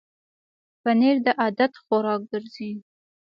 پنېر د عادت خوراک ګرځي.